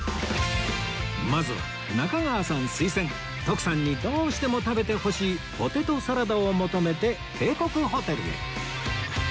まずは中川さん推薦徳さんにどうしても食べてほしいポテトサラダを求めて帝国ホテルへ